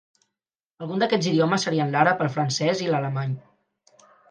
Alguns d'aquests idiomes serien l'àrab, el francès i l'alemany.